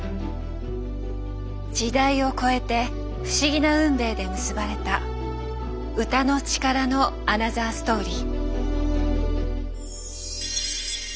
時代を超えて不思議な運命で結ばれた歌の力のアナザーストーリー。